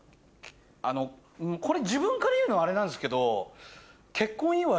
これ自分から言うのはあれなんですけど。